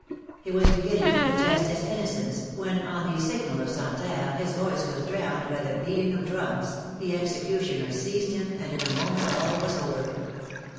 He was beginning to protest his innocence, when on the signal of Santerre his voice was drowned by the beating of drums, the executioner seized him, and in a moment all was over.